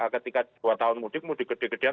ketika dua tahun mudik mudik gede gedean